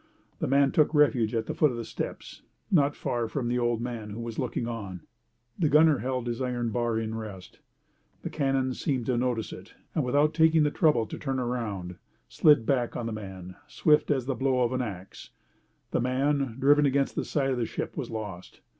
The man took refuge at the foot of the steps, not far from the old man who was looking on. The gunner held his iron bar in rest. The cannon seemed to notice it, and without taking the trouble to turn around, slid back on the man, swift as the blow of an axe. The man, driven against the side of the ship, was lost.